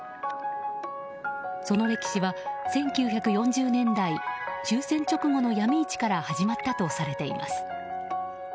その歴史は、１９４０年代終戦直後の闇市から始まったとされています。